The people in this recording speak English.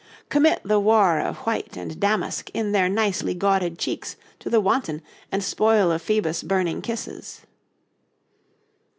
'Commit the war of white and damask in their nicely gawded cheeks to the wanton and spoil of Phoebus' burning kisses.'